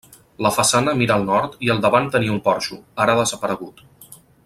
La façana mira al nord i al davant tenia un porxo, ara desaparegut.